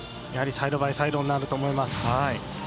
やはりサイドバイサイドになると思います。